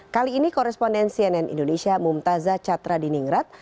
kali ini koresponden cnn indonesia mumtazah catra diningrat